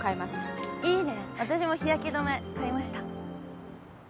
私も日焼け止め買いました。